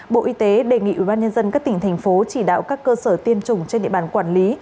bộ y tế đề nghị ubnd các tỉnh thành phố chỉ đạo các cơ sở tiêm chủng trên địa bàn quản lý